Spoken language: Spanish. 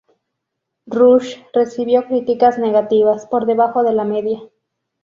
Rush recibió críticas negativas por debajo de la media.